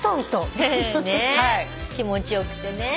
気持ち良くてね。